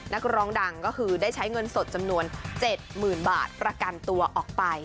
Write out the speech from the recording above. นักร้องดังก็คือได้ใช้เงินสดจำนวน๗๐๐๐บาทประกันตัวออกไป